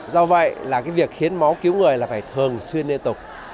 do vậy việc khiến máu cứu người phải thường xuyên liên tục